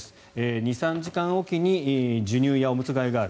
２３時間おきに授乳やおむつ替えがある。